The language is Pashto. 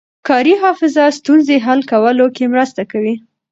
کاري حافظه ستونزې حل کولو کې مرسته کوي.